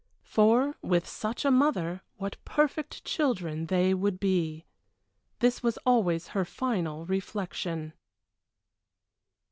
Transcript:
For with such a mother what perfect children they would be! This was always her final reflection.